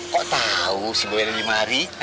kok tau si boe lagi mari